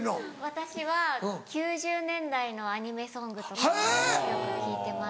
私は９０年代のアニメソングとかをよく聴いてます。